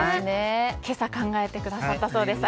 今朝考えてくださったそうです。